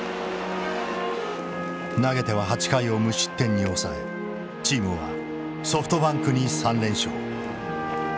投げては８回を無失点に抑えチームはソフトバンクに３連勝。